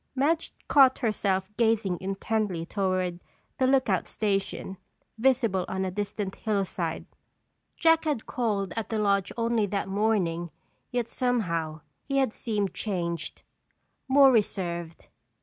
Madge caught herself gazing intently toward the lookout station visible on a distant hillside. Jack had called at the lodge only that morning yet somehow he had seemed changed, more reserved.